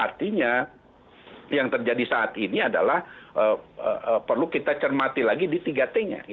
artinya yang terjadi saat ini adalah perlu kita cermati lagi di tiga t nya